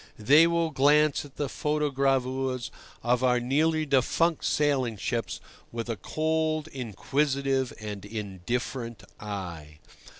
They will glance at the photogravures of our nearly defunct sailing ships with a cold, inquisitive and indifferent eye.